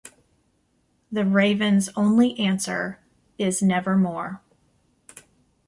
The raven's only answer is "Nevermore".